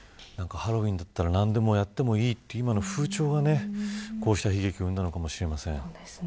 ハロウィーンだったら何でもやっていいという今の風潮がこうした悲劇をうんだのかもしれません。